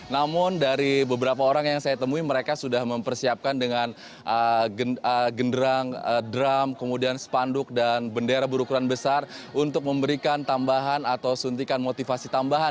namun dari beberapa orang yang saya temui mereka sudah mempersiapkan dengan genderang drum kemudian spanduk dan bendera berukuran besar untuk memberikan tambahan atau suntikan motivasi tambahan